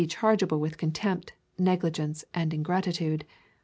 chargeable witli contempt, negligence, and ingratitude.